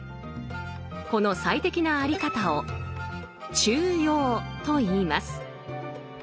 この最適なあり方を「中庸」といいます。